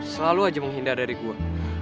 selalu aja menghindar dari gua